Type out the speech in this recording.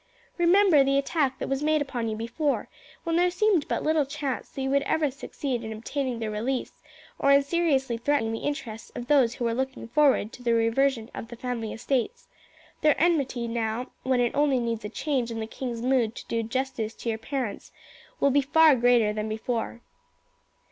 Remember the attack that was made upon you before, when there seemed but little chance that you would ever succeed in obtaining their release or in seriously threatening the interests of those who were looking forward to the reversion of the family estates. Their enmity now, when it only needs a change in the king's mood to do justice to your parents, will be far greater than before.